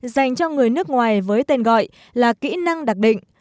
dành cho người nước ngoài với tên gọi là kỹ năng đặc định